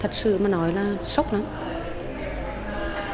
khi nói thật sự mới nói là sốc lắm